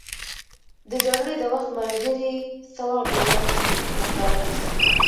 د جګړې د وخت ملګري څه وخت ډوډۍ خوري؟ همدا اوس.